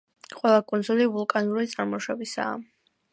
ყველა კუნძული ვულკანური წარმოშობისაა.